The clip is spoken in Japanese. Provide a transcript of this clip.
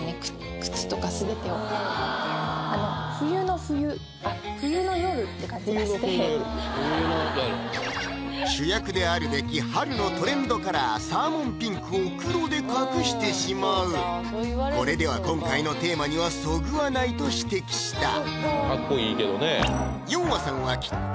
靴とか全てをあの冬の冬あっ冬の夜って感じがして主役であるべき春のトレンドカラーサーモンピンクを黒で隠してしまうこれでは今回のテーマにはそぐわないと指摘したヨンアさんはきっと